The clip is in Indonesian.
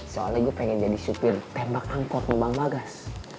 soalnya gue pengen jadi supir tembak angkot lubang bagas